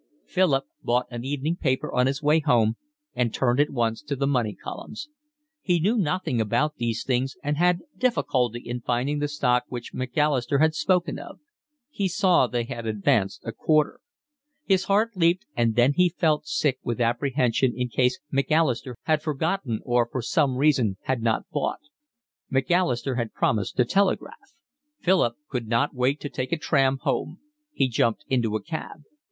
Philip bought an evening paper on his way home and turned at once to the money columns. He knew nothing about these things and had difficulty in finding the stock which Macalister had spoken of. He saw they had advanced a quarter. His heart leaped, and then he felt sick with apprehension in case Macalister had forgotten or for some reason had not bought. Macalister had promised to telegraph. Philip could not wait to take a tram home. He jumped into a cab.